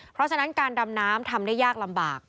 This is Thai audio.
เพราะฉะนั้นการดำน้ำทำได้ยากลำบาก